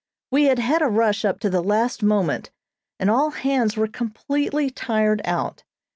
We had had a rush up to the last moment, and all hands were completely tired out.